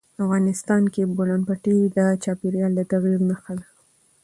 افغانستان کې د بولان پټي د چاپېریال د تغیر نښه ده.